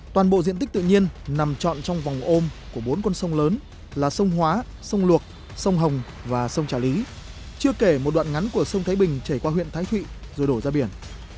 toàn bộ diện tích tự nhiên nằm trọn trong vòng ôm của bốn con sông lớn là sông hóa sông luộc sông hồng và sông trà lý chưa kể một đoạn ngắn của sông thái bình chảy qua huyện thái thụy rồi đổ ra biển